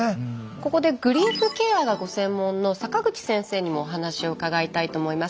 ここでグリーフケアがご専門の坂口先生にもお話を伺いたいと思います。